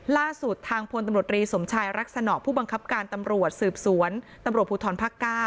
ล่าสุดทางพลตำรวจรีสมชายรักษณะผู้บังคับการตำรวจสืบสวนตำรวจภูทรภาค๙